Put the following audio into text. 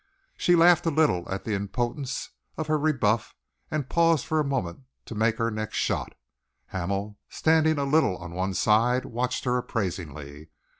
She laughed a little at the impotence of her rebuff and paused for a moment to make her next shot. Hamel, standing a little on one side, watched her appraisingly.